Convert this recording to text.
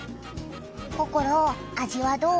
ココロ味はどう？